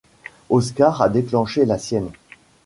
Oscar a déclenché la sienne.